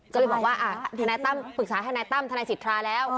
ก็เลยบอกว่าทนายตั้มปรึกษาทนายตั้มทนายสิทธาแล้ว